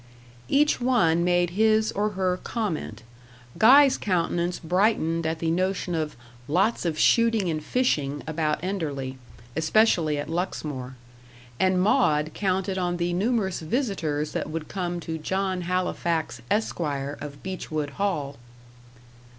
Each one made his or her comment. Guy's countenance brightened at the notion of "lots of shooting and fishing" about Enderley, especially at Luxmore; and Maud counted on the numerous visitors that would come to John Halifax, Esquire, of Beechwood Hall.